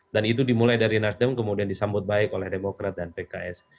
dan itu dimulai dari nasdem kemudian disambut baik oleh demokrat dan pks